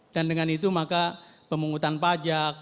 dan dengan itu maka pemungutan pajak